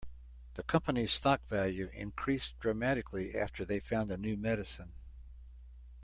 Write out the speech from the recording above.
The company's stock value increased dramatically after they found a new medicine.